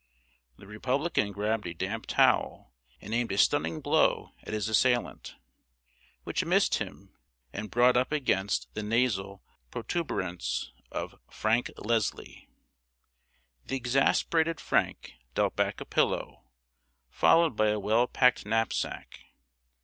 The Republican grabbed a damp towel and aimed a stunning blow at his assailant, which missed him and brought up against the nasal protuberance of Frank Leslie. The exasperated Frank dealt back a pillow, followed by a well packed knapsack.